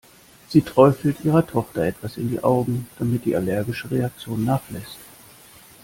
Sie träufelt ihrer Tochter etwas in die Augen, damit die allergische Reaktion nachlässt.